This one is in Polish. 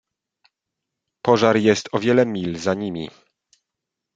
"Pożar jest o wiele mil za nimi."